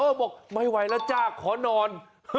บอกไม่ไหวแล้วจ้าขอนอน